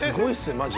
マジ。